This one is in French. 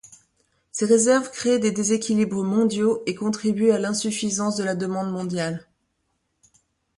Ces réserves créent des déséquilibres mondiaux et contribuent à l'insuffisance de la demande mondiale.